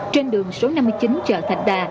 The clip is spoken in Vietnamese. trên đường số năm mươi chín chợ thạch đà